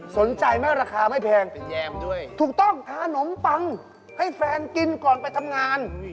สนใจไหมราคาไม่แพงด้วยถูกต้องทานขนมปังให้แฟนกินก่อนไปทำงาน